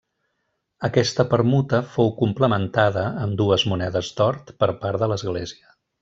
Aquesta permuta fou complementada amb dues monedes d'or per part de l'Església.